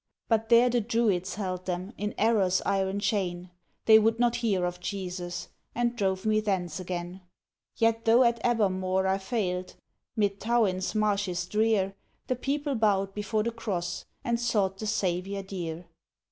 But there the Druids held them In error's iron chain, {12a} They would not hear of Jesus, And drove me thence again. Yet though at Abermawr I failed 'Mid Towyn's marshes drear, {12b} The people bowed before the Cross, And sought the Saviour dear.